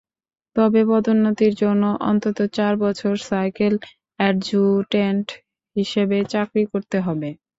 তবে পদোন্নতির জন্য অন্তত চার বছর সার্কেল অ্যাডজুটেন্ট হিসেবে চাকরি করতে হবে।